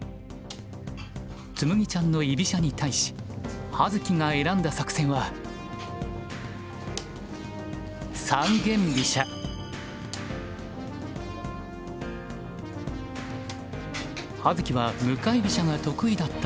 紬ちゃんの居飛車に対し葉月が選んだ作戦は葉月は向かい飛車が得意だったはず。